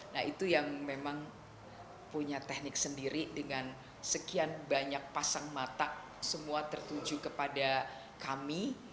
nah itu yang memang punya teknik sendiri dengan sekian banyak pasang mata semua tertuju kepada kami